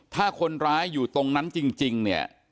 ถ้าคนร้ายอยู่ตรงนั้นจริงเนี่ย